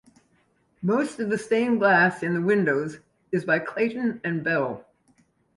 Most of the stained glass in the windows is by Clayton and Bell.